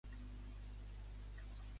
Què li esmenta Pascal a don Eudald?